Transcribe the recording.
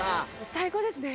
最高ですね。